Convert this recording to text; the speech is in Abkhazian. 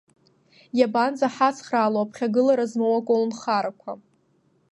Иабанӡаҳацхраало аԥхьагылара змоу аколнхарақәа?